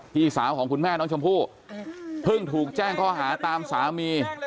พี่สาวของคุณแม่น้องชมพู่เพิ่งถูกแจ้งข้อหาตามสามี